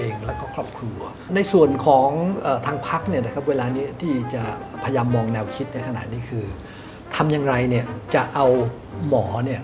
ในลักษณะที่เป็นเหมือนกับวิทยาลัย